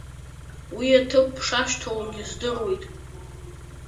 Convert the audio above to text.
Уи аҭыԥ бшашьҭоугьы здыруеит.